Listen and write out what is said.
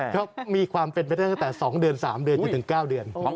เพราะมีความเป็นไปตั้งแต่๒เดือน๓เดือนอยู่ถึง๙เดือน